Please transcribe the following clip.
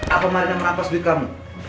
apa marina merampas duit kamu